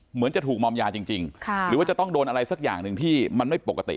เหมือนจะถูกมอมยาจริงหรือว่าจะต้องโดนอะไรสักอย่างหนึ่งที่มันไม่ปกติ